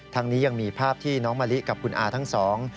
นี้ยังมีภาพที่น้องมะลิกับคุณอาทั้งสอง